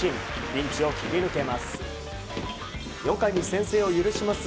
ピンチを切り抜けます。